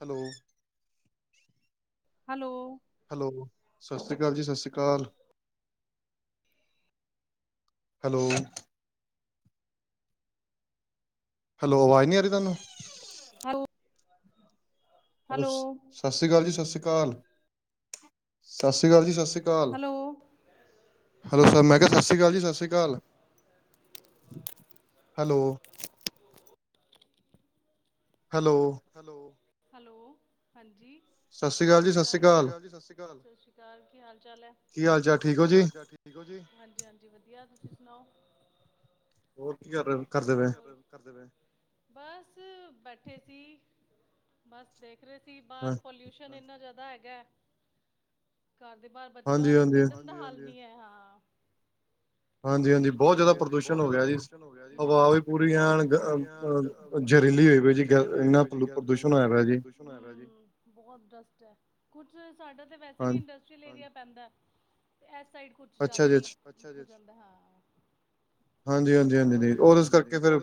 Hello hello hello ਸਤਿ ਸ਼੍ਰੀ ਅਕਾਲ ਜੀ ਸਤਿ ਸ਼੍ਰੀ ਅਕਾਲ ਹੈਲੋ ਹੈਲੋ ਆਵਾਜ਼ ਨਹੀਂ ਆ ਰਹੀ ਤੁਹਾਨੂੰ ਆਹੋ ਹੈਲੋ ਸਤਿ ਸ੍ਰੀ ਅਕਾਲ ਜੀ ਸਤਿ ਸ੍ਰੀ ਅਕਾਲ ਸਤਿ ਸ੍ਰੀ ਅਕਾਲ ਜੀ ਸਤ੍ਰੀ ਹੈਲੋ ਹੈਲੋ ਸਰ ਮੈਂ ਕਿਹਾ ਸਤਿ ਸ਼੍ਰੀ ਅਕਾਲ ਜੀ ਸਤਿ ਸ਼੍ਰੀ ਅਕਾਲ ਹੈਲੋ ਹੈਲੋ ਹਾਂਜੀ। ਸਤ ਸ੍ਰੀ ਅਕਾਲ ਜੀ ਸਤ ਸ੍ਰੀ ਅਕਾਲ ਸਤ ਸ੍ਰੀ ਅਕਾਲ ਕੀ ਹਾਲ ਚਾਲ ਹੈ। ਕੀ ਹਾਲ ਚਾਲ ਠੀਕ ਹੋ ਜੀ ਹਾਂਜ ਹਾਂਜੀ ਵਧੀਆ ਤੁਸੀ ਸੁਣਾਓ। ਕਰ ਪ ਬਸ ਬੈਠੇ ਸੀ। ਬਸ ਦੇਖ ਰਹੇ ਸੀ ਬਾਹਰ ਪੋਲਿਊਸ਼ਨ ਇੰਨਾ ਜ਼ਿਆਦਾ ਹੈਗਾ। ਘਰ ਦੇ ਬਾਹਰ ਬੱਚਿਆਂ ਨੂੰ ਕੱਢਣ ਦਾ ਹੱਲ ਨੀ ਹੈ ਹਾਂਜੀ ਹਾਂਜੀ ਬਹੁਤ ਜ਼ਿਆਦਾ ਪ੍ਰਦੂਸ਼ਣ ਹੋ ਗਿਆ ਜੀ ਹਵਾ ਵੀ ਪੂਰੀ ਆ ਜ਼ਹਿਰੀਲੀ ਜਰੀਲੀ ਹੋ ਜੀ ਇਨਾ ਪ੍ਰਦੂਸ਼ ਆ ਜੀ ਬਤ ਸਾਡਾ ਤੇ ਵੈਸੇ ਵੀ ਇੰਸਟਰੀਅਲ ਏਰੀਆ ਪੈਂਦਾ ਤੇ ਇਸ ਸਾਈਡ ਕੁਛ ਜ਼ਿਆਦਾ ਹੀ ਜਾਂਦਾ ਹਾਂ [unintelligible] ਹਾਂਜੀ ਹਾਂਜੀ ਹਾਂਜੀ ਰ ਉਸ ਕਰਕੇ ਫਿਰ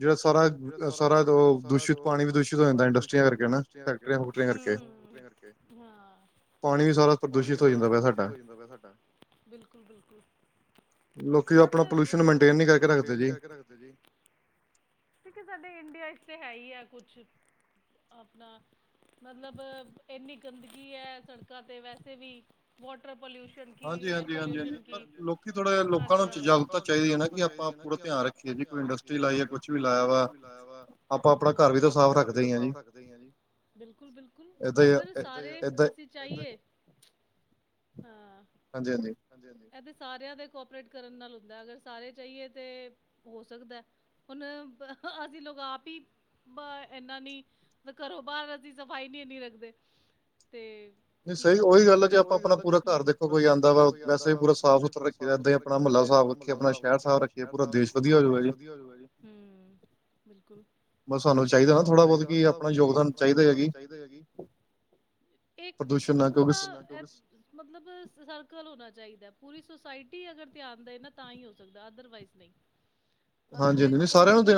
ਜਿਹੜਾ ਸਾਰਾ ਸਾਰਾ ਉਹ ਦੂਸ਼ਿਤ ਪਾਣੀ ਵੀ ਦੂਸ਼ਿਤ ਦੂਸ਼ਿਤ ਪਾਣੀ ਵੀ ਦੂਸ਼ਿਤ ਹੋ ਜਾਂਦਾ ਇੰਡਸਟਰੀਆਂ ਕਰਕੇ ਫਕ ਕਰ ਪਾਣੀ ਵੀ ਸਾਰਾ ਪ੍ਰਦੂਸ਼ਿਤ ਹੋ ਜਾਂਦਾ ਪਾ ਸਾਡਾ ਬਿਲਕੁਲ ਬਿਲਕੁਲ ਲੋਕੀ ਆਪਣਾ ਪੋਲਊਸ਼ਨ ਮੇਨਟੇਨ ਨੀ ਕਰਕੇ ਰੱਖਦੇ ਜੀ ਠਕ ਸਾਡੇ ਇੰਡੀਆ ਇੇ ਹੈ ਹੀ ਹੈ ਕੁਛ ਆਪਣਾ ਮਤਲਬ ਇੰਨੀ ਗੰਦਗੀ ਹੈ ਸੜਕਾਂ ਤੇ ਵੈਸੇ ਵੀ ਵਾਟਰ ਪੋਲ ਕੀ ਏਅਰ ਪੋਲਊਸ਼ਨ ਕੀ ਲੋਕਾਂ ਨੂੰ ਜਾਗਰਕਤਾ ਚਾਹੀਦੀ ਹੈ ਨਾ ਕਿ ਆਪਾਂ ਪੂਰਾ ਧਿਆਨ ਰੱਖੀਏ ਜੀ ਕੋਈ ਇੰਡਸਟਰੀ ਲਾਈਏ ਕੁਛ ਵੀ ਲਾਇਆ ਵਾ ਆਪਾਂ ਆਪਣਾ ਘਰ ਵੀ ਤਾਂ ਸਾਫ਼ ਰੱਖਦੇ ਹੀ ਆ ਜੀ ਬਿਲਕੁਲ ਬਿਲਕੁਲ ਅਗਰ ਸਾਰੇ ਅਸੀਂ ਚਾਹੀਏ ਹਾਂਜੀ ਹਾਂਜੀ ਇਹਦੇ ਸਾਰਿਆਂ ਦੇ ਕਪੀ ਹੁੰ ਅਗਰ ਸਾਰੇ ਚਾਹੀਏ ਤੇ ਹੋ ਸਕਦਾ ਹੁਣ ਅਸੀਂ ਆਪ ਹੀ ਇਨਾ ਨੀ ਘਰੋ ਬਾਹਰ ਦੀ ਸਫ਼ਾਈ ਨੀ ਇਨੀ ਰੱਖਦੇ ਤੇ ਨਹੀਂ ਸਹੀ ਉਹੀ ਗੱਲ ਆ ਜੇ ਆਪਾਂ ਆਪਣਾ ਪੂਰਾ ਘਰ ਦੇਖੋ ਕੋਈ ਆਉਂਦਾ ਵਾ ਵੈਸੇ ਵੀ ਪੂਰਾ ਸਾਫ਼ ਸੁਥਰਾ ਰੱਖੀ ਦਾ ਇਦਾਂ ਆਪਣਾ ਮਹੱਲਾ ਸਾਹਿਬ ਰੱਖਏ ਆਪਣਾ ਸ਼ਹਿਰ ਸਾਹਿਬ ਰੱਖੀਏ ਪੂਰਾ ਦੇਸ਼ ਵਧੀਆ ਹੋਜੂਗਾ ਜੀ ਬਿਲਕੁਲ ਬਸ ਸਾਨੂੰ ਚਾਹੀਦਾ ਨਾ ਥੋੜਾ ਬਹੁਤ ਕੀ ਆਪਣਾ ਯੋਗਦਾਨ ਚਾਹੀਦਾ ਹੈਗੀ [unintelligible] ਮਲਬ ਸਰਕਲ ਹੋਣਾ ਚਾਹੀਦਾ ਪੂਰੀ ਸਸਾਇ ਰਟੀ ਅਗਰ ਧਿਆਨ ਦੇ ਨਾ ਤਾਂ ਹੀ ਹੋ ਸਕਦਾ ਅਦਰਵਾਈਜ਼ ਨਹੀਂ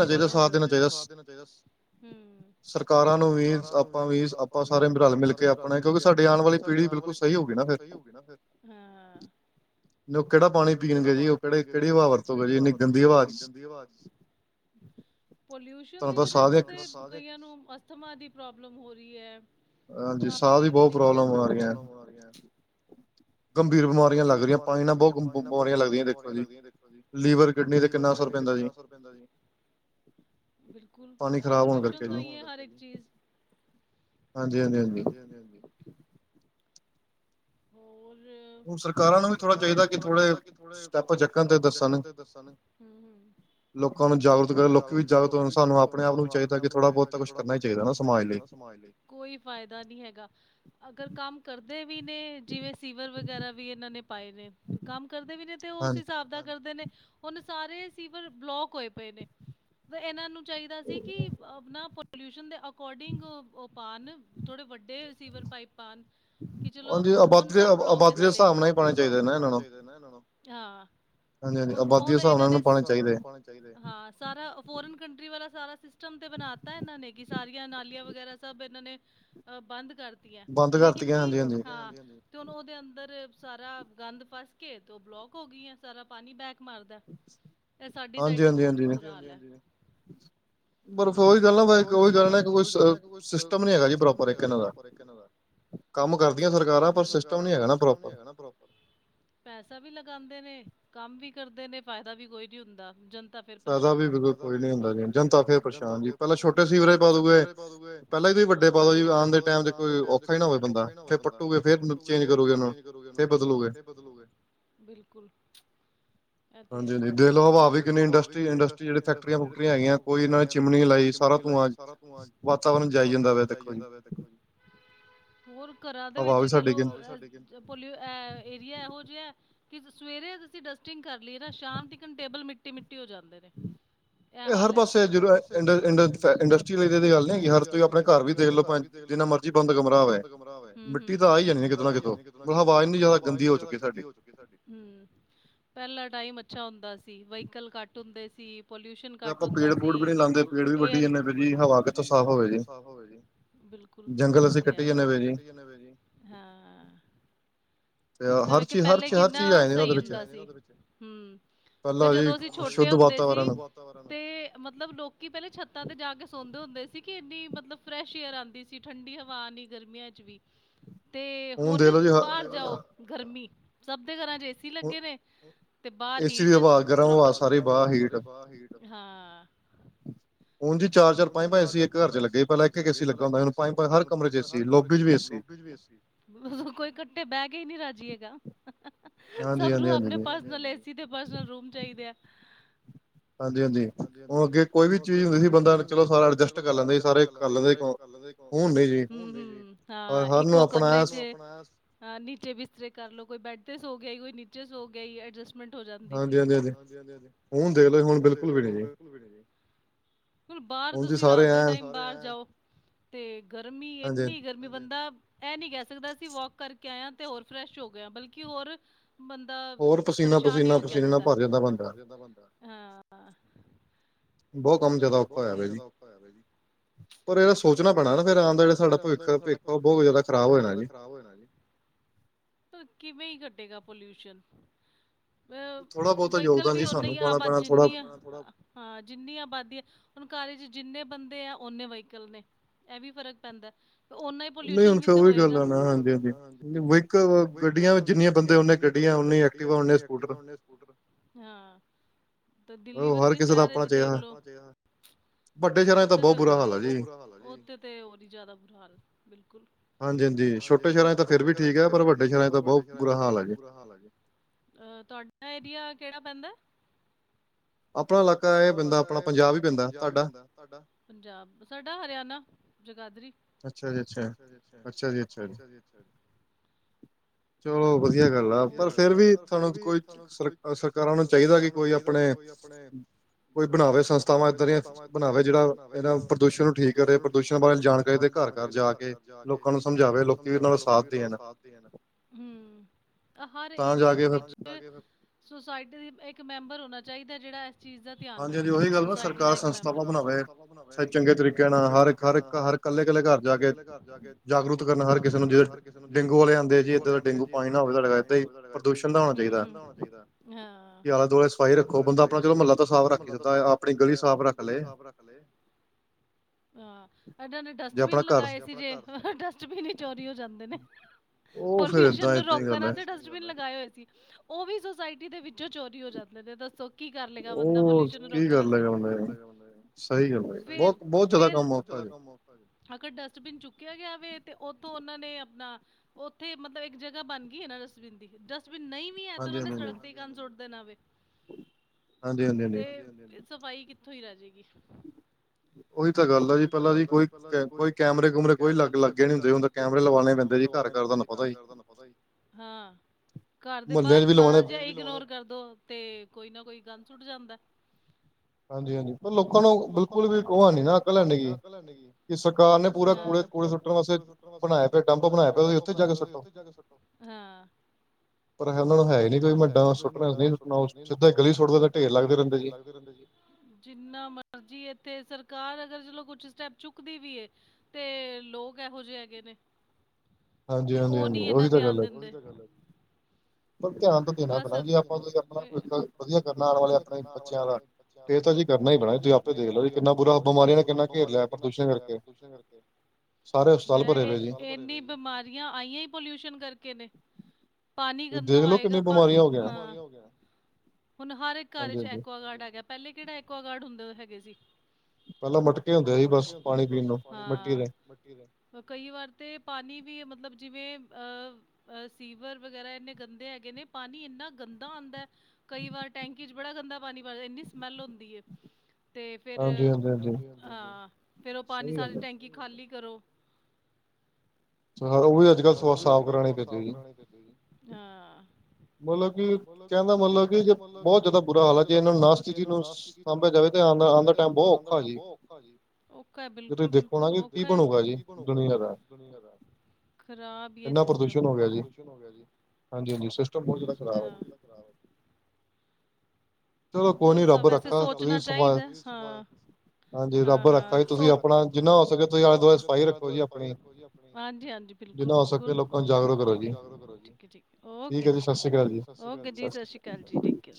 ਸਾਰ ਨੂੰਣਾ ਚਹੀ ਸਾਥ ਦੇਣਾ ਚਾਹੀਦਾ ਨੂੰ ਵੀ ਆਪਾਂ ਵੀ ਆਪਾਂ ਸਾਰੇ ਰਲ ਮਿਲ ਕੇ ਆਪਣਾ ਕਿਉਂਕਿ ਸਾਡੀ ਆਉਣ ਵਾਲੀ ਪੀੜੀ ਬਿਲਕੁਲ ਸਹੀ ਹੋ ਗਗੀ ਨਾ ਫ਼ਿਰ ਨਹੀਂ ਉਹ ਕਿਹੜਾ ਪਾਣੀ ਪੀਣਗੇ ਜੀ ਉਹ ਕਿਹੜੇ ਕਿਹੜੀ ਹਵਾ ਵਰਤੋਗੇ ਜੀ ਇੰਨੀ ਗੰਦੀ ਹਵਾ ਚ [unintelligible] ਪੋਲਿਊਸ਼ਨ ਦੀ ਵਜਾ ਤੋ, ਤੇ। ਕਈਆਂ ਨੂ ਅਸਥਮਾ ਦੀ ਪ੍ਰੋਬਲਮ ਹੋ ਰਹੀ ਹੈ। ਕਾਫੀ ਕਫ ਸਾ ਦੀ ਬਹੁਤ ਪ੍ਰੋਬਲਮ ਆ ਰਹੀ ਏ। ਗੰਭੀਰ ਬਿਮਾਰੀਆਂ ਲੱਗ ਰਹੀਆਂ। ਪਾਣੀ ਨਾਲ ਬਹੁਤ ਗੰ ਬਿਮਾਰੀਆਂ ਲੱਗਦੀਆਂ ਦੇਖੋ ਜੀ। ਲੀਵਰ, ਕਿਡਨੀ ਤੇ ਕਿੰਨਾ ਅ- ਕਿੰਨਾ ਸੌ ਅਸਰ ਪੈਂਦਾ ਜੀ। ਬਿਲਕੁਲ, ਏ ਪੋਲਿਊਸ਼ਨਤਾਂ ਹੀ ਹੈ। ਹਰ, ਇੱਕ ਚੀਜ਼। ਹਾਂਜੀ, ਹਾਂਜੀ- ਹਾਂਜੀ। ਹੋਰ? ਹੂੰ, ਹੁਣ ਸਰਕਾਰਾਂ ਨੂੰ ਵੀ ਥੋੜਾ ਚਾਹੀਦਾ, ਕਿ ਥੋੜੇ ਸਟੈਪ ਚੱਕਣ ਤੇ ਦੱਸਣ। ਲੋਕਾਂ ਨੂੰ ਜਾਗਰੂਕ ਕਰਨ। ਲੋਕੀ ਵੀ ਜਾਗਰੂਕ ਹੋਨ। ਸਾਨੂੰ ਆਪਣੇ ਆਪ ਨੂੰ ਵੀ ਚਾਹੀਦਾ ਕਿ, ਥੋੜਾ ਬਹੁਤਾ ਕੁਛ ਕਰਨਾ ਹੀ ਚਾਹੀਦਾ ਨਾ, ਸਮਾਜ ਲਈ। ਕੋਈ ਫਾਇਦਾ ਨਹੀਂ ਹੈਗਾ। ਅਗਰ ਕੰਮ ਕਰਦੇ ਵੀ ਨੇ। ਜਿਵੇਂ ਸੀਵਰ ਵਗੈਰਾ ਵੀ ਇਹਨਾਂ ਨੇ ਪਾਏ ਨੇ, ਕੰਮ ਕਰਦੇ ਵੀ ਨੇ, ਤੇ ਉਹ ਉਸ ਹਿਸਾਬ ਦਾ ਕਰਦੇ ਨੇ ਹੂਨ ਸਾਰੇ ਸੀਵਰ ਬਲੋਕ ਹੋਏ ਪਏ ਨੇ ਵੇ ਇਹਨਾਂ ਨੂੰ ਚਾਹੀਦਾ ਸੀ ਕਿ ਆਪਣਾ ਪੋਲਿਊਸ਼ਨ ਦੇ ਅਕੋਡਿੰਗ ਉ ਪਾਨ ਥੋੜੇ ਵੱਡੇ ਵਡੇ ਰਿਸੀਵਰ ਪਾਈਪ ਪਾਨ ਕਿ ਚਲੋ ਹੂਨ ਸਬ ਬਾਕੀ ਹਿਸਾਬ ਨਾਲ ਹੀ ਪਾਨਾ ਚਾਹੀਦਾ ਨਾ ਇਹਨਾ ਨੂੰ। ਹੂਨ ਇਹਨਾ ਨੇ ਬਾਕੀ ਹਿਸਾਬ ਨਾਲ ਇਹਨਾ ਨੂੰ ਪਾਣਾ ਚਾਹੀਦਾ ਸਾਰਾ ਫਾੱਰਨ ਕੰਟਰੀ ਵਾਲਾ ਸਾਰਾ ਸਿਸਟਮ ਸਿਸਟਮ ਤੇ, ਬਣਾ ਤਾ ਇਹਨਾਂ ਨੇ, ਕਿ ਸਾਰੀਆਂ ਨਾਲੀਆਂ ਵਗੈਰਾ ਸਭ ਇਹਨਾਂ ਨੇ, ਬੰਦ ਕਰ ਦਿੱ ਲੇਕਿਨ ਕੀ, ਹਾ, ਬੰਦ ਕਰਤੀਆ ਨਾਲਿਆਂ ਉਹਦੇ ਅੰਦਰ ਸਾਰਾ ਗੰਦ ਫਸ ਕੇ, ਤੇ ਉਹ ਬਲੋਕ ਹੋ ਗਈਆਂ। ਸਾਰਾ ਪਾਣੀ ਬੈਕ ਮਾਰਦਾ ਤੇ, ਸਾਡੀ ਸਾਈਡ ਤੇ ਬਹੁਤ ਹੀ ਬੁਰਾ ਹਾਲ ਹੈ। ਹਾਂਜੀ- ਹਾਂਜੀ, ਹਾਂਜੀ ਜੀ। [inaudible] ਬਸ ਉਹੀ ਗੱਲ ਨਾ ਬ ਉਹੀ ਗੱਲ ਨਾ ਕੋਈ ਸਿਸਟਮ ਨੀ ਹੈਗਾ ਜੀ ਪ੍ਰੋਪਰ ਇੱਕ ਇਹਨਾਂ ਦਾ। ਕੰਮ ਕਰਦੀਆਂ ਸਰਕਾਰਾਂ ਕੰਮ ਕਰਦੀਆਂ ਸਰਕਾਰਾਂ। ਪਰ ਸਿਸਟਮ ਨੀ ਹੈਗਾ ਨ ਪਰੋਪਰ। ਪੈਸਾ ਵੀ ਲਗਾਦੇ ਨੇ, ਕੰਮ ਵੀ ਕਰ ਕਰਦੇ ਨੇ ਫਾਇਦਾ ਵੀ, ਕੋਈ ਨੀ ਹੁੰਦਾ। ਜਨ ਤਾ ਫੇਰ, ਪਰੇਸ਼ਾਨ ਫੈਦਾ ਵੀ ਬੁ ਕੋਈ ਨੀ ਹੁੰਦਾ ਜਨਤਾ ਫ਼ੇਰ ਪਰੇਸ਼ਾਨ ਜੀ। ਪਹਿਲਾਂ ਛੋਟੇ ਸੀਵਰੇਜ ਪਾਦੂ ਗੇ ਵੀ ਵੱਡੇ ਪਾਦੋ ਜੀ। ਆਉਣ ਦੇ ਟਾਈਮ ਚ ਕੋਈ ਔਖਾ ਹੀ ਨਾ ਹੋਵੇ ਬੰਦਾ। ਫੇਰ ਪੱਟੂ ਗੇ ਫੇਰ ਪੱਟੂਗੇ, ਫੇਿਰ ਚੇਂਜ ਕਰੂਗੇ, ਫੇਰ ਬਦਲੂਗੇ, ਬਿਲਕੁਲ। ਹਾਂਜੀ- ਹਾਂਜੀ। ਦਿਲੋ ਹਵਾ ਵੀ ਕਿੰਨੀ ਇੰਡਸਟਰੀ ਇੰਡਸਟਰੀ ਜਿਹੜੇ ਫੈਕਟਰੀਆਂ- ਫੁਕਟਰੀਆਂ ਹੈਗੀਆਂ। ਕੋਈ ਇਹਨਾਂ ਨੇ ਚਿਮਨੀ ਨੀ ਲਾਈ। ਸਾਰਾ ਧੂੰਆਂ ਵਾਤਾਵਰਨ ਜਾਇ ਜਾਂਦਾ ਵੈ ਜਾਈ, ਜਾਂਦਾ ਵਿਆ ਦੇਖੋ ਜੀ। ਘਰਾਂ ਦੇ ਵਿੱਚ ਕਹਿ ਲੋ। ਪੋਲੀ ਏਰੀਆ ਇਹੋ ਜਿਹਾ ਕਿ ਸਵੇਰੇ ਅਸੀਂ ਡਸਟਿੰਗ ਕਰ ਲਈਏ ਨਾ, ਸ਼ਾਮ ਤੇਕਨ ਟੇਬਲ ਮਿੱਟੀ- ਮਿੱਟੀ ਹੋ ਜਾਂਦੇ ਨੇ। ਇਹ ਹਰ ਪਾਸੇ ਹੈ। ਇ ਇੰਡਸਟਰੀ ਦੀ ਗੱਲ ਨਹੀਂ ਹਰ ਤੁਸੀਂ ਆਪਣੇ ਘਰ ਵੀ ਦੇਖ ਲੋ ਚਲ ਜਿੰਨਾ ਮਰਜੀ ਬੰਦ ਕਮਰਾ ਹੋਵੇ ਹੂੰ- ਹੂੰ। ਮਿੱਟੀ ਤਾਂ ਆਈ ਜਾਣੀ ਕਿਤੋਂ ਨਾ ਕਿਤੋਂ। ਹੂਨ ਆਵਾਜ਼ ਨੀ ਜਿਆਦਾ ਗੰਦੀ ਹੋ ਚੁੱਕੀ ਸਾਡੀ। ਹੂੰ, ਪਹਿਲਾਂ ਟਾਈਮ ਅੱਛਾ ਹੁੰਦਾ ਸੀ, ਵਹੀਕਲ ਘੱਟ ਹੁੰਦੇ ਸੀ। ਪੋਲੂਸ਼ਨ ਘਟ ਹੂਂਦਾ ਸੀ। [unintelligible] ਬਿਲਕੁਲ, ਇਹ ਤੇ ਹੈ। ਜੰਗਲ ਅਸੀ ਕਟੀ ਜਾਨੇ ਆ ਵਈ ਸੀ, ਹਾ। ਵੇਂ ਕਿ ਪਹਿਲੇ ਕਿੰਨਾ, ਸਹੀ ਹੁੰਦਾ ਸੀ। ਹੂੰ। ਤੇ ਜਦੋਂ ਅਸੀਂ ਛੋਟੇ ਹੁੰਦੇ ਸੀ। ਤੇ ਮਤਲਬ ਲੋਕੀ ਪਹਿਲੇ ਛੱਤਾਂ ਤੇ, ਜਾ ਕੇ ਸੋਦੇ ਹੁੰਦੇ ਸੀ ਕਿ ਇੰਨੀ ਮਤਲਬ ਫਰੈਸ਼ ਏਅਰ ਆਉਂਦੀ ਸੀ। ਠੰਡੀ ਹਵਾ ਆਨੀ ਗਰਮੀਆਂ ਚ ਵੀ। ਤੇ ਹੁਣ ਬਾਹਰ ਜਾਓ ਗਰਮੀ। ਸਭ ਦੇ ਘਰਾਂ ਚ ਅੇਸੀ ਲੱਗੇ ਨੇ, ਤੇ ਬਾਹਰ ਹੀਟ ਬਰਾਬਰ ਹਾਂ। ਹੁਣੀ ਚਾਰ- ਚਾਰ, ਪੰਜ-ਪੰਜ ਏ ਸੀ ਇੱਕ ਘਰ ਚ ਲੱਗੇ। ਪਹਿਲਾਂ ਇੱਕ ਏ ਸੀ ਲੱਗਾ ਹੁੰਦਾ ਸੀ। ਪੰਜ ਹਰ ਕਮਰੇ ਚ ਏਸੀ, ਲੋਬੀ ਚ ਵੀ ਏਸੀ। ਕੋਈ, ਕੱਠੇ ਬੈਕੇ ਹੀ, ਨੀ ਰਾਜੀ ਹੈਗਾ। ਸਭ ਨੂੰ ਆਪਣੇ ਪਰਸਨਲ ਏ ਸੀ ਤੇ ਪਰਸਲ ਰੂਮ ਚਾਹੀਦੇ ਆ। ਹਾਂਜੀ, ਹਾਂਜੀ। ਉਹ ਅੱਗੇ ਕੋਈ ਵੀ ਚੀਜ਼ ਹੁੰਦੀ ਸੀ। ਬਸ ਹੁੰ ਬੰ ਚਲੋ ਸਾਰਾ ਅਰਜਸਟ ਕਰ ਲੈਂਦੇ ਸੀ। ਸਾਰੇ ਕਰ ਲੈਂਦੇ ਹੂ ਹੂ ਹਾਂ ਇਕ ਕਮਰੇ ਚ ਨੀਚੇ ਬਿਸਤਰੇ ਕਰਲੋ ਕੋਈ ਬੈਡ ਤੇ ਸੋ ਗਈ ਕੋਈ ਨੀਚੇ ਸੋ ਗਈ ਐਡਜਸਟ ਐਡਜਸਟਮੈਂਟ ਹੋ ਜਾਂਦੀ ਸੀ। ਹਾਂਜੀ ਹਾਂਜੀ, ਹੁਣ ਦੇਖ ਲੋ, ਹੁਣ ਬਿਲਕੁਲ ਵੀ ਨਹੀਂ ਹੈ। ਬਾਹਰ ਤੁਸੀਂ ਰਾਤ ਦੇ ਟਾਈਮ ਬਾਹਰ ਜਾਓ ਤੇ ਗਰਮੀ ਇੰਨੀ ਗਰਮੀ ਬੰਦਾ ਇਹ ਨੀ ਕਹਿ ਸਕਦਾ ਅ ਵੋਕ ਕਰਕੇ ਕੇ ਤੇ ਹੋਰ ਫਰੈਸ਼ ਹੋ ਗ ਬਲਕਿ ਹੋਰ ਬੰਦਾ ਪਰੇਸ਼ਾਨ ਹੋ ਕੇ ਆ ਜਾਂਦਾ। ਹਾਂ ਬਹੁਤ ਕੰਮ ਜਾਦਾ ਉਹਹੁ ਕੰਮ ਜਾਦਾ ਔਖਾ ਹੋਇਆ ਪਿਆ ਸੀ। ਪਰ ਇਹਦਾ ਸੋਚਣਾ ਪੈਣਾ ਨਾ ਫੇਰ ਆਮ ਦਾ ਜਿਹੜਾ ਸਾਡਾ ਭਵਿੱਖ -ਭਵਿੱਖ ਉਹ ਬਹੁਤ ਜ਼ਿਆਦਾ ਖਰਾਬ ਹੋ ਜਾਣਾ ਜੀ। ਕਿਵੇਂ ਹੀ ਕਟੇਗਾ ਪੋਲਿਊਸ਼ਨ। ਅ ਵਹੀਕਲ ਵੀ ਓਨੀ ਆਬ ਜਿੰਨੀ ਹਾਂ ਜਿੰਨੀ ਆਬਾਦੀ ਹੈ। ਜਿੰਨੇ ਬੰਦੇ ਆ ਓਨੇ ਵਹੀਕਲ ਨੇ ਇਹ ਵੀ ਫਰਕ ਪੈਂਦਾ ਓਨਾ ਪੋਲੂਸ਼ਨ ਵੀ ਤੇ ਹੋਏ ਗਾ। ਓਹ ਤੇ ਉਹੀ ਗੱਲ ਹੈ ਨਾ। ਵਹੀਕਲ ਗੱਡੀਆਂ ਜਿੰਨੀਆਂ ਬੰਦ ਉਨੀ ਗੱਡੀਆਂ, ਉਨੀ ਐਕਟੀਵਾ, ਉਨੀ ਸਕੂਟਰ। ਦਿੱਲੀ ਵਰਗੇ ਸ਼ਹਿਰ ਚ ਦੇਖ ਲਓ [inaudible] ਉਧਰ ਤੇ, ਉਥੇ ਤੇ, ਹੋਰ ਹੀ ਜਿਆਦਾ ਬੁਰਾ ਹਾਲ ਹੈ। ਬਿਲਕੁਲ। ਹਾਂਜੀ-ਹਾਂਜੀ, ਛੋਟੇ ਸ਼ਹਿਰਾਂ ਤਾਂ ਫੇਰ ਵੀ ਠੀਕ ਹੈ। ਪਰ ਵੱਡੇ ਸ਼ਹਿਰਾਂ ਤਾਂ ਬਹੁਤ ਬੁਰਾ ਹਾਲ ਹੈ। ਜੀ ਅਹ ਤੁਹਾਡਾ ਏਰੀਆ ਕਿਹੜਾ ਪੈਂਦਾ ਐ? ਆਪਣਾ ਇਲਾਕਾ ਇਹ ਬੰਦਾ ਆਪਣਾ ਪੰਜਾਬ ਈ ਆਪਣਾ ਪੰਜਾਬ ਪੈਂਦਾ ਪੰਜਾਬ ਸਾਡਾ ਹਰਿਆਣਾ ਜਗਾਦਰੀ। ਅੱਛਾ ਜੀ ਅੱਛਾ, ਅੱਛਾ ਜੀ-ਅੱਛਾ ਜੀ ਚਲੋ। ਵਧੀਆ ਗੱਲ ਆ ਪਰ ਫੇਰ ਵੀ ਤੁਹਾਨੂੰ ਕੋਈ ਸਰ ਸਰਕਾਰਾਂ ਨੂੰ ਚਾਹੀਦਾ ਕਿ ਕੋਈ ਆਪਣੇ ਕੋਈ ਬਣਾਵੇ ਸੰਸਥਾਵਾਂ ਇੱਦਾਂ ਦੀਆਂ ਬਣਾਵੇ ਜਿਹੜਾ ਇਹਨਾਂ ਪ੍ਰਦੂਸ਼ਣ ਨੂੰ ਠੀਕ ਕਰੇ ਪ੍ਰਦੂਸ਼ਣ ਬਾਰੇ ਜਾਣਕਾਰੀ ਦੇ ਦੇ ਘਰ ਘਰ ਜਾ ਕੇ ਲੋਕਾਂ ਨੂੰ ਸਮਝਾਵੇ ਲੋਕੀ ਉਹਨਾਂ ਸਾਥ ਦੇਣ ਹਰ ਏਰੀਏ ਦੇ ਵਿੱਚ ਸੋਸਾਇਟੀ ਦਾ ਇੱਕ ਮੈਂਬਰ ਹੋਣਾ ਚਾਹੀਦਾ ਜਿਹੜਾ ਚੀਜ ਦਾ ਧਿਆਨ ਰੱਖੇ ਸੋਸਾਇਟੀ ਦਾ ਇਕ ਮੈਂਬਰ ਚੰਗੇ ਤਰੀਕੇ ਨਾਲ਼ ਹਰ ਇਕ ਹਰ ਇਕ ਹਰ ਇਕੱਲੇ-ਇਕੱਲੇ ਘਰ ਜਾ ਕੇ ਜਾਗਰੂਤ ਕਰਨਾ ਹਰ ਕਿਸੇ ਨੂੰ ਜਿ ਡੇਂਗੂ ਵਾਲੇ ਆਉਂਦੇ ਜੀ ਇਧਰ ਡੇਂਗੂ ਪਾਣੀ ਨਾ ਹੀ ਰਹਿ ਕੇ ਹੈ ਦੱਸਣਾ ਚਾਹੀਦਾ ਆਲੇ ਦੁਆਲੇ ਸਫ਼ਾਈ ਦਾ ਧਿਆਨ ਰੱਖੋ। ਆਪਣਾ ਚਲੋ ਮਹੱਲਾ ਤਾਂ ਸਾਫ਼ ਰੱਖੀਤਾ, ਆਪਣੀ ਗਲੀ ਸਾਫ਼ ਰੱਖ ਲੋ [inaudible] ਹਾਂ। ਇਹ ਨੇ ਡਸਟਬਿਨ ਲਗਾਏ ਸੀ ਜੇ ਡਸਟਬਿਨ ਹੀ ਚੋਰੀ ਹੋ ਜਾਂਦੇ ਨੇ ਉਹ ਫੇਰ ਏਦਾਂ-ਏਦਾਂ ਈ ਘਰ ਦੇ ਡਸਟਬਿਨ ਲਗਾਏ ਹੋਏ ਸੀ ਉਹ ਵੀ ਸੁੋਸਾਇਟੀ ਦੇ ਵਿੱਚੋਂ ਚੋਰੀ ਹੋ ਜਾਂਦੇ ਨੇ, ਦੱਸੋ ਕੀ ਕਰ ਲਏਗਾ ਬੰਦਾ। ਪੋਲਿਊਸ਼ਨ ਨੂੰ ਰੋਕਣ ਵਾਸਤੇ ਕੀ ਕਰ ਲਗਾ ਫ਼ੇਰ-ਫ਼ੇਰ ਅਗਰ ਡਸਟਬਿਨ ਚੁੱਕਿਆ ਗਿਆ ਵਵੇ ਤੇ ਉਥੋਂ ਉਹਨਾਂ ਨੇ ਆਪਣਾ ਉੱਥੇ ਮਤਲਬ ਇੱਕ ਜਗ੍ਹਾ ਬਣ ਗਈ ਨਾ ਡਸਬਿਨ ਦੀ ਡਸਟ ਵੀ ਨਹੀਂ ਵੀ ਹੈ ਤੇ ਉਹਨਾਂ ਨੇ ਸੜਕ ਤੇ ਹੀ ਕੰਨ ਸੁੱਟ ਦੇਣਾ ਵੇ। ਹਾਂਜੀ-ਹਾਂਜੀ-ਹਾਂਜੀ। ਸਫ਼ਾਈ ਕਿੱਥੋਂ ਹੀ ਰਹਿਜੇਗੀ। ਉਹੀ ਤਾਂ ਗੱਲ ਹੈ। ਜੀ ਪਹਿਲਾਂ ਜ ਕੋਈ-ਕੋਈ ਕੈਮਰੇ ਕੂਮਰੇ ਕੋਈ ਲਗ ਲੱਗੇ ਨਹੀਂ ਹੁੰਦੇ ਹੁੰਦਾ ਕੈਮਰੇ ਲਗਾਉਣੇ ਪੈਂਦੇ ਜੀ ਘਰ ਜੀ ਘਰ-ਘਰ ਤੁਹਾਨੂੰ ਪਤਾ ਐ। ਹਾਂ। ਘਰ ਦੇ ਬਾਹਰ ਮਾਰਾ ਜਹਾ ਇਗਨੋਰ ਕਰਦੋ ਤੇ ਕੋਈ ਨਾ ਕੋਈ ਗੰਦ ਸੂਟ ਜਾਂਦਾ ਏ। ਹਾਂਜੀ ਹਾਂਜੀ ਪਰ ਲੋਕਾਂ ਨੂੰ ਬਿਲਕੁਲ ਵੀ ਓਹ ਹੈਨੀ ਅਕਲ ਹੈ ਨਿ ਗੀ ਕਿ ਸਰਕਾਰ ਨੇ ਪੂਰਾ ਕੂੜ ਪੂਰਾ ਕੂੜ ਕੂੜੇ ਸੁੱਟਣ ਵਸ ਬਣਾਏ ਪਏ ਡੰਪ ਬਣਾਏ ਪਏ ਉੱਥੇ ਜਾ ਕੇ ਸੁੱਟਣ [inaudible] ਪਰ ਉਹਨਾਂ ਨੂੰ ਹੈ ਨੀ ਕੋਈ ਮੈਂ ਡਾਂ ਸੁੱਟਣਾ ਨਹੀਂ ਸੁੱਟਣਾ ਸਿੱਧਾ ਗਲੀ ਸੁੱਟਦੇ ਤਾਂ ਢੇਰ ਲੱਗਦੇ ਰਹਿੰਦੇ ਜੀ। [inaudible] ਜਿੰਨਾ ਮਰਜੀ ਇੱਥੇ ਸਰਕਾਰ ਅਗਰ ਚਲੋ ਕੁਛ ਸਟੈਪ ਚੁੱਕਦੀ ਵੀ ਏ ਤੇ ਲੋਕ ਇਹੋ ਜਿਹੇ ਹੈਗੇ ਨੇ। ਹਾਂਜੀ ਹਾਂਜੀ ਹਾਂਜੀ ਉਹੀ ਧਿਆਨ ਦਿੰਦੇ ਜੈ ਪਰ ਧਿਆਨ ਤਾਂ ਦੇਣਾ ਪੈਣਾ ਜੇ ਆਪਾਂ ਆਪਣਾ ਭਵਿੱਖ ਵਧੀਆ ਕਰਨਾ ਆਉਣ ਵਾਲੇ ਆਪਣੇ ਬੱਚਿਆਂ ਦਾ ਇਹ ਤਾਂ ਜੀ ਕਰਨਾ ਹੀ ਪੈਣਾ ਤੁਸੀਂ ਆਪੇ ਦੇਖ ਲ ਜੀ ਕਿੰਨਾ ਬੁਰਾ ਬਿਮਾਰੀਆਂ ਨੇ ਕਿੰਨਾ ਘੇਰ ਲਿਆ ਪ੍ਰਦੂਸ਼ਣ ਕਰਕੇ। ਸਾਰੇ ਹਸਪਤਾਲ ਭਰੇ ਪਏ ਜੀ। ਬਿਮਾਰੀਆਂ ਆਈਆਂ ਹੀ ਪੋਲ ਕਰਕੇ ਨੇ ਪਾਣੀ ਗੰਦਾ ਹੋਏਗਾ। ਹੁਣ ਹਰ ਇੱਕ ਘਰ ਵਿੱਚ ਐਕੁਆਗਾਰਡ ਆ ਗਿਆ, ਪਹਿਲੇ ਕਿਹੜਾ ਐਕੁਆਗਾਰਡ ਹੁੰਦੇ ਹੈਗੇ ਸੀ। ਪਹਿਲਾਂ ਕੇ ਹ ਕਈ ਵਾਰ ਤੇ ਪਾਣੀ ਵੀ ਮਤਲਬ ਜਿਵੇ ਅਹ ਸੀਵਰ ਵਗੈਰਾ ਇੰਨੇ ਗੰਦੇ ਹੈਗੇ ਨੇ ਪਾਣੀ ਇੰਨਾ ਗੰਦਾ ਆਉਂਦਾ ਹੈ ਕਈ ਵਾਰ ਟੈਂਕੀ ਚ। ਬੜਾ ਗੰਦਾ ਪਾਣੀ ਪਾ ਇੰਨੀ ਸਮੈੱਲ ਹੁੰਦੀ ਹੈ। ਤੇ ਫਿਰ ਹਾਂ ਫੇਰ ਉਹ ਪਾਣੀ ਸਾਰੀ ਟੈਂਕੀ ਖਾਲੀ ਕਰੋ। ਉਹ ਵੀ ਅੱਜ ਕਲ ਸਾਫ਼ ਕਰਾਉਣੇ ਪੈਂਦੀ ਜੀ। ਹਾਂ। ਮਤਲਬ ਕੀ ਕਹਿੰਦਾ ਮਤਲਬ ਕਿ ਜੇ ਬਹੁਤ ਜਿਆਦਾ ਬੁਰਾ ਹਾਲ ਹੈ। ਜੇ ਇਹਨਾਂ ਨਾਸਤੀ ਨੂੰ ਸਾਂਭਿਆ ਜਾ ਜਾਵੇ ਬਤ ਔਖਾ ਜੀ ਖਾ ਬਿਲਕੁ ਬਿਲੁ ਖ ਬਣੂਗਾ ਰਾਬ ਹੀਮ ਹੋ ਹਾਂਜੀ ਹਾਂਜੀ ਸਤਿ੍ਰੀ ਅਕਾਲਰਾ ਸ ਵੈਸੇ ਸੋਚਣਾ ਚਾਹੀਦਾ ਹਾਂ। ਤੁਸੀ ਆਪਣਾ ਜਿਨਾਂ ਹੋ ਸਕੇ ਆਪਣੇ ਆਲੇ ਦੁਆਲੇ ਸਫ਼ਾਈ ਰੱਖੋ ਜੀ ਆਪਣੀ, ਹਾਂਜੀ ਹਾਂਜੀ ਬਿਲਕੁਲ ਬਿਲਕੁਲ ੀ ਓਕੇ ਜੀ ਜ ਓਕੇ ਜੀ। ਸਤਿ ਸ਼੍ਰੀ ਅਕਾਲ ਜੀਠੀਕ